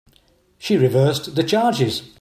She reversed the charges.